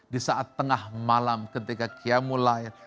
di saat tengah malam ketika qiyamul lail